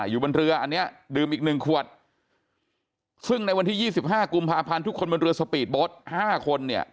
อยู่บนเรืออันนี้ดื่มอีกหนึ่งขวดซึ่งในวันที่๒๕กุมภาพันธ์ทุกคนบนเรือสปีดโบสต์๕คนเนี่ย